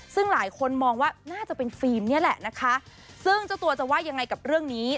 ซึ่งหลายคนมองว่าน่าจะเป็นฟิล์มนี่แหละนะคะซึ่งเจ้าตัวจะว่ายังไงกับเรื่องนี้